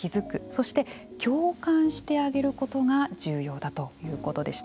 そして共感してあげることが重要だということでした。